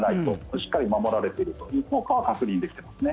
しっかり守られている効果は確認できていますね。